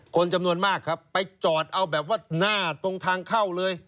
คนจำนวนมากครับไปจอดเอาแบบว่าหน้าตรงทางเข้าเลย